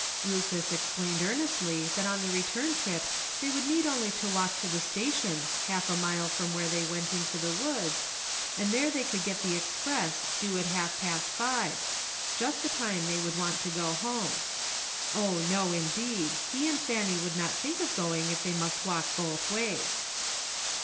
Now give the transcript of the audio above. Rufus explained earnestly that on the return trip they would need only to walk to the sta CLOTHES. 26 tion, half a mile from where they went into the woods, and there they could get the express, due at half past five — just the time they would want to go home. O, no indeed ! he and Fanny would not think of going if they must walk both ways.